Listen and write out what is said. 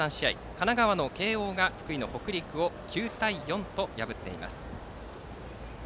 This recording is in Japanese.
神奈川の慶応が福井の北陸を９対４と破っています。